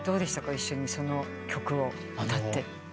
一緒にその曲を歌って。